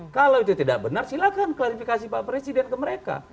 kalau itu tidak benar silahkan klarifikasi pak presiden ke mereka